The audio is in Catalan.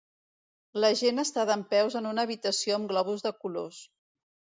La gent està dempeus en una habitació amb globus de colors.